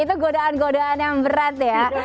itu godaan godaan yang berat ya